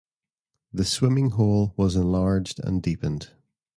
The "swimming hole" was enlarged and deepened.